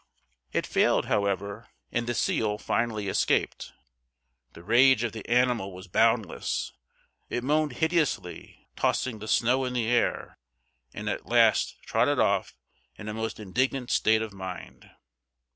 It failed, however, and the seal finally escaped. The rage of the animal was boundless; it moaned hideously, tossing the snow in the air, and at last trotted off in a most indignant state of mind.